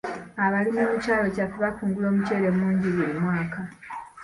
Abalimi mu kyalo kyaffe bakungula omuceere mungi buli mwaka.